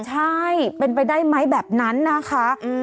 ใช่เป็นไปได้ไหมแบบนั้นนะคะ